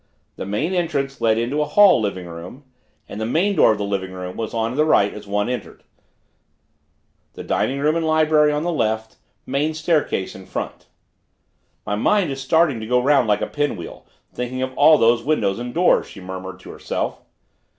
The main entrance led into a hall living room, and the main door of the living room was on the right as one entered, the dining room and library on the left, main staircase in front. "My mind is starting to go round like a pinwheel, thinking of all those windows and doors," she murmured to herself.